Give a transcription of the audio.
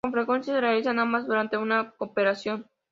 Con frecuencia se realizan ambas durante una operación.